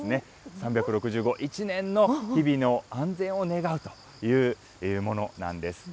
３６５、一年の日々の安全を願うというものなんです。